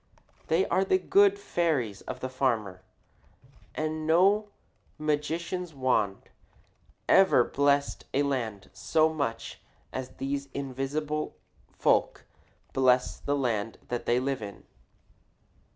They are the good fairies of the farmer, and no magician's wand ever blessed a land so much as these invisible folk bless the land that they live in.